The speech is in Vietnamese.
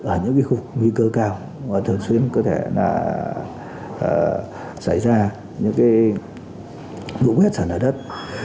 ở những cái khu vực nguy cơ cao mà thường xuyên có thể là xảy ra những cái ủ quét sẵn lả đất